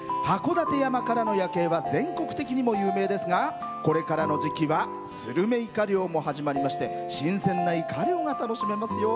函館山からの夜景は全国的にも有名ですがこれからの時期はするめいか漁も始まりまして新鮮な、いか漁が楽しめますよ。